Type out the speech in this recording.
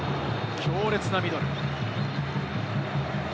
強烈なミドル。